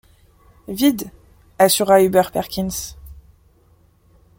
Vide… assura Hubert Perkins.